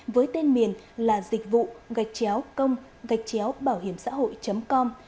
với tên miền là dịch vụ gạch chéo công gạch chéo bảo hiểm xã hội com